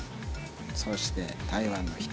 そして台湾の人。